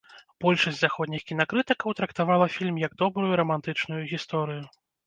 Большасць заходніх кінакрытыкаў трактавала фільм як добрую рамантычную гісторыю.